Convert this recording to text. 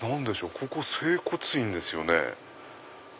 ここ整骨院ですよね。